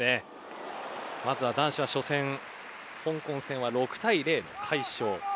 まずは男子初戦香港戦は６対０大勝。